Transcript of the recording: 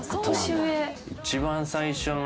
一番最初の。